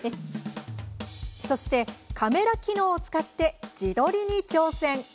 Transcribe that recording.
そして、カメラ機能を使って自撮りに挑戦。